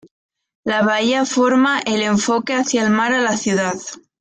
La bahía forma el enfoque hacia el mar a la ciudad.